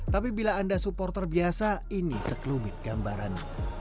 tapi bila anda supporter biasa ini sekelumit gambaran